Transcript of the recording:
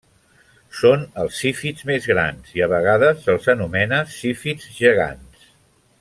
Són els zífids més grans i a vegades se'ls anomena zífids gegants.